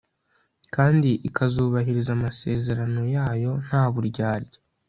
kandi ikazubahiriza amasezerano yayo nta buryarya